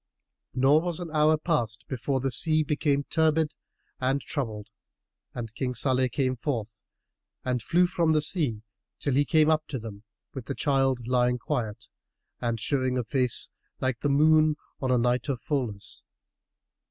Nor was an hour past before the sea became turbid and troubled and King Salih came forth and flew from the sea till he came up to them with the child lying quiet and showing a face like the moon on the night of fulness.